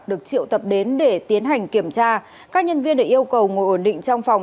được triệu tập đến để tiến hành kiểm tra các nhân viên được yêu cầu ngồi ổn định trong phòng